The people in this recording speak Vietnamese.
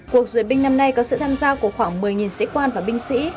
cuộc duyệt binh năm nay có sự tham gia của khoảng một mươi sĩ quan và binh sĩ